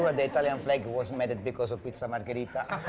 aku yakin dompeta italian diambil karena pizza margarita